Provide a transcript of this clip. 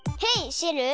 シェル！